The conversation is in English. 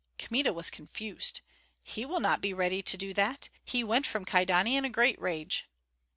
Kmita was confused. "He will not be ready to do that. He went from Kyedani in a great rage."